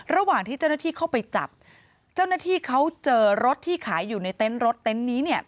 ระหว่างที่เจ้าหน้าที่เข้าไปจับเจ้าหน้าที่เขาเจอรถที่ขายอยู่ในเต็นต์รถเต็นต์นี้เนี่ย